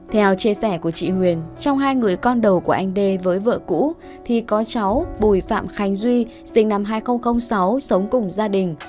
theo chia sẻ của chị huyền trong hai người con đầu của anh đê với vợ cũ thì có cháu bùi phạm khánh duy sinh năm hai nghìn sáu sống cùng gia đình